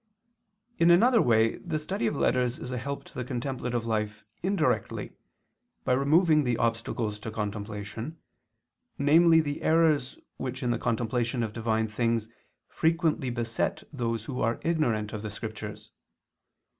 In another way the study of letters is a help to the contemplative life indirectly, by removing the obstacles to contemplation, namely the errors which in the contemplation of divine things frequently beset those who are ignorant of the scriptures.